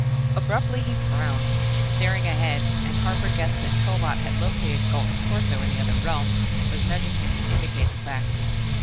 Abruptly he frowned, staring ahead, and Harper guessed that Pillbot had located Gault's torso in the other realm, was nudging him to indicate the fact.